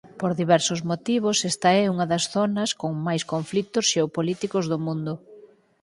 Por diversos motivos esta é unha das zonas con máis conflitos xeopolíticos do mundo.